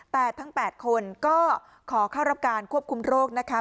แต่ทั้ง๘คนก็ขอเข้ารับการควบคุมโรคนะคะ